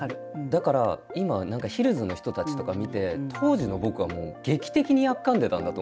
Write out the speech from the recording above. だから今何かヒルズの人たちとか見て当時の僕はもう劇的にやっかんでたんだと思うんですよね。